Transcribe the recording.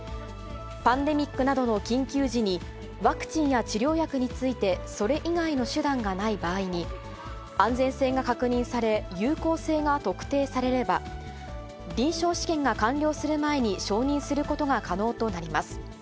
パンデミックなどの緊急時に、ワクチンや治療薬について、それ以外の手段がない場合に、安全性が確認され有効性が特定されれば、臨床試験が完了する前に承認することが可能となります。